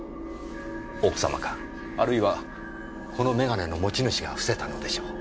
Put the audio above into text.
奥様かあるいはこの眼鏡の持ち主が伏せたのでしょう。